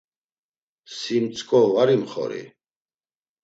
Si mtzǩo var imxori?